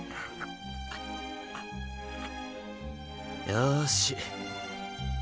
よし。